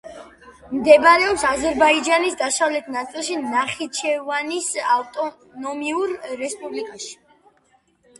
მდებარეობს აზერბაიჯანის დასავლეთ ნაწილში ნახიჩევანის ავტონომიურ რესპუბლიკაში.